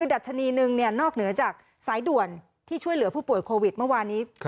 ดัชนีหนึ่งนอกเหนือจากสายด่วนที่ช่วยเหลือผู้ป่วยโควิดเมื่อวานนี้